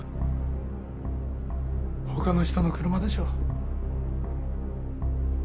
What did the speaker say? ほかの人の車でしょ。